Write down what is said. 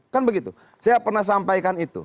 kan begitu saya pernah sampaikan itu